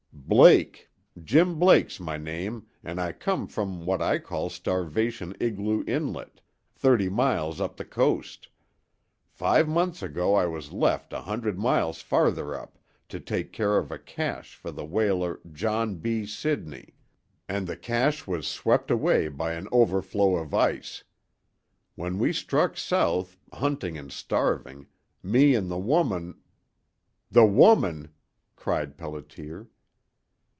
"Blake Jim Blake's my name, an' I come from what I call Starvation Igloo Inlet, thirty miles up the coast. Five months ago I was left a hundred miles farther up to take care of a cache for the whaler John B. Sidney, and the cache was swept away by an overflow of ice. Then we struck south, hunting and starving, me 'n' the woman " "The woman!" cried Pelliter.